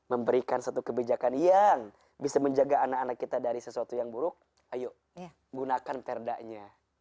memberikan satu kebijakan yang bisa menjaga anak anak kita dari sesuatu yang buruk ayo gunakan perdanya